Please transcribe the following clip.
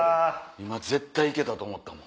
今絶対行けたと思ったもん。